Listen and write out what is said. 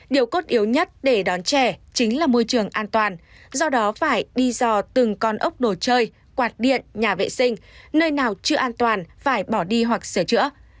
điều cốt yếu nhất để đón trẻ chính là môi trường an toàn do đó phải đi dò từng con ốc đồ chơi quạt điện nhà vệ sinh nơi nào chưa an toàn phải bỏ đi hoặc sửa chữa